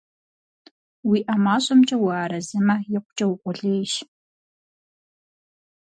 УиӀэ мащӀэмкӀэ уарэзымэ, икъукӀэ укъулейщ.